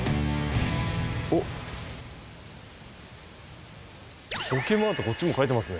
おっ歩危マートこっちも書いてますね。